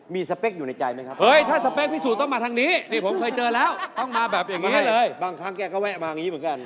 มันไปดูต่างสไตล์มาก